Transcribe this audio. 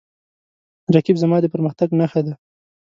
رقیب زما د پرمختګ نښه ده